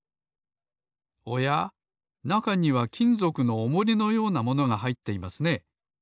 おやなかにはきんぞくのおもりのようなものがはいっていますね。